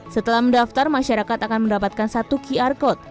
setelah mendaftar masyarakat akan mendapatkan satu qr code